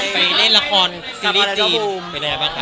ไปเล่นละครซีรีส์จีนไปแล้วบ้างคะ